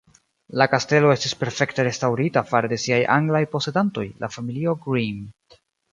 La kastelo estis perfekte restaŭrita fare de siaj anglaj posedantoj, la familio "Green".